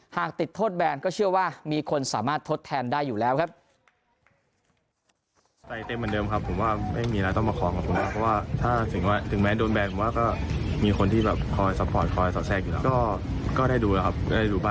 หากติดโทษแบนก็เชื่อว่ามีคนสามารถทดแทนได้อยู่แล้วครับ